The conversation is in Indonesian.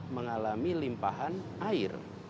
mengalami limpahan air